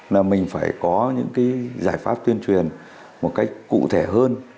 là mình phải có những cái giải pháp tuyên truyền một cách cụ thể hơn